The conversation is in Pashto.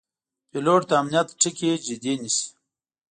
پیلوټ د امنیت ټکي جدي نیسي.